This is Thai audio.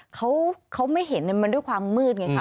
เขาไม่เห็นมันด้วยความมืดไงค่ะ